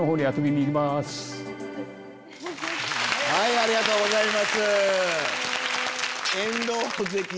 ありがとうございます！